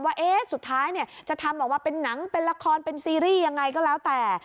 ว่าสุดท้ายจะทำออกมาเป็นหนังเป็นละครเป็นซีรีส์ยังไงก็แล้วแต่